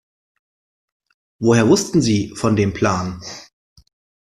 Woher wussten Sie von dem Plan?